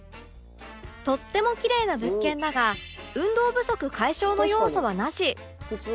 とってもキレイな物件だが運動不足解消の要素はなし